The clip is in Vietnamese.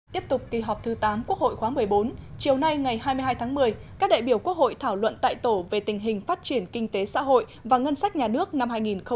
tiếp tục kỳ họp thứ tám quốc hội khóa một mươi bốn chiều nay ngày hai mươi hai tháng một mươi các đại biểu quốc hội thảo luận tại tổ về tình hình phát triển kinh tế xã hội và ngân sách nhà nước năm hai nghìn một mươi chín